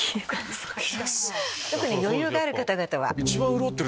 特に余裕がある方々は。